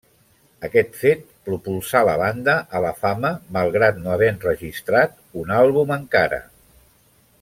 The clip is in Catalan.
Aquest fet propulsà la banda a la fama malgrat no haver enregistrat un àlbum encara.